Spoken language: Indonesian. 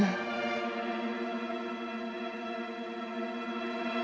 aku masih tidak percaya kamu menggugurkannya